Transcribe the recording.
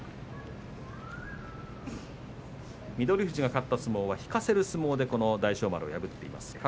富士が勝った相撲は引かせる相撲で大翔丸を破っています。